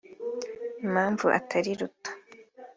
impamvu atari ruto